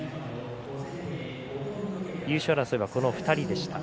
優勝争いはこの２人でした。